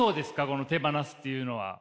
この手放すっていうのは？